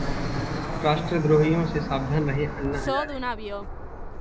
'राष्ट्रद्रोहियों से सावधान रहें अन्ना हजारे'